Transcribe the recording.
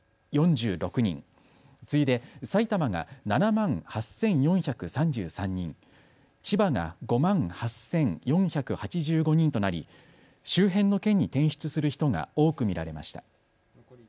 次いで埼玉が７万８４３３人、千葉が５万８４８５人となり周辺の県に転出する人が多く見られました。